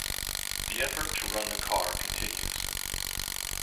The effort to run the car continues.